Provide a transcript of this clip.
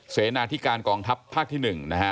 เสนาที่การกองทัพภาคที่๑นะฮะ